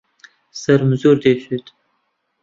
سەرم زۆر دێشێت